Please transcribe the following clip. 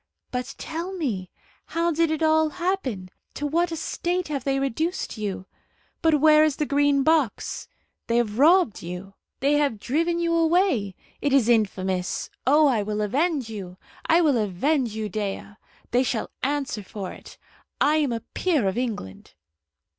But tell me, how did it all happen? To what a state have they reduced you! But where is the Green Box? They have robbed you. They have driven you away. It is infamous. Oh, I will avenge you I will avenge you, Dea! They shall answer for it. I am a peer of England."